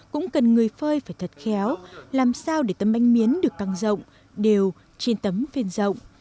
cũng cần người phơi phải thật khéo làm sao để tấm bánh miếng được căng rộng đều trên tấm phên rộng